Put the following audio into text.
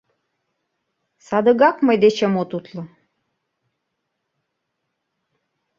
Садыгак мый дечем от утло!